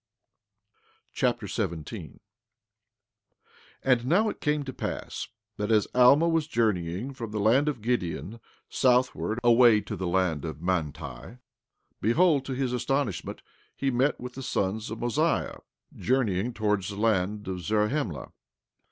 Alma Chapter 17 17:1 And now it came to pass that as Alma was journeying from the land of Gideon southward, away to the land of Manti, behold, to his astonishment, he met with the sons of Mosiah journeying towards the land of Zarahemla.